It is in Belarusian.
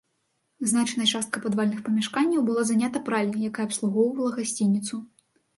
Значная частка падвальных памяшканняў была занята пральняй, якая абслугоўвала гасцініцу.